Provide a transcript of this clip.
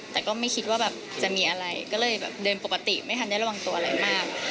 แต่ก็ไม่คิดว่าแบบจะมีอะไรก็เลยแบบเดินปกติไม่ทันได้ระวังตัวอะไรมาก